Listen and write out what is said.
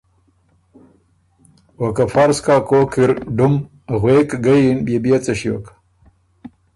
او که فرض کۀ کوک اِر ډُم غوېک ګۀ یِن بيې بيې څۀ ݭیوک؟